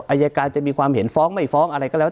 อายการจะมีความเห็นฟ้องไม่ฟ้องอะไรก็แล้ว